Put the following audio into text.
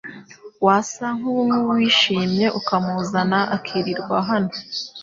Wasa nkuwishimye ukamuzana akirirwa hano .